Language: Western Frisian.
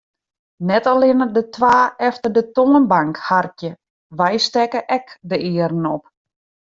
Net allinne de twa efter de toanbank harkje, wy stekke ek de earen op.